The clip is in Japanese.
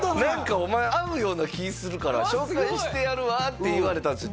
「お前合うような気ぃするから紹介してやるわ」って言われたんですよ